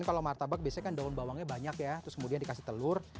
kalau martabak biasanya kan daun bawangnya banyak ya terus kemudian dikasih telur